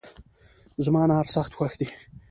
زما انار سخت خوښ دي